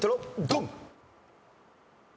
ドン！